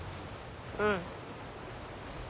うん。